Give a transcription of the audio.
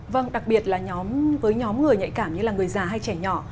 vâng đặc biệt là với nhóm người nhạy cảm như là người già hay trẻ nhỏ